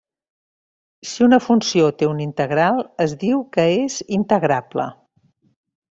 Si una funció té una integral, es diu que és integrable.